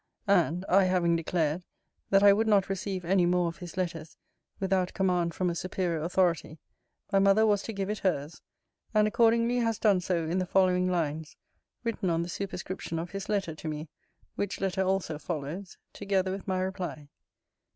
And, I having declared, that I would not receive any more of his letters, without command from a superior authority, my mother was to give it hers: and accordingly has done so in the following lines, written on the superscription of his letter to me: which letter also follows; together with my reply.